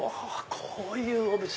こういうお店。